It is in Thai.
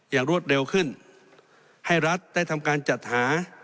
รวดเร็วขึ้นให้รัฐได้ทำการจัดหา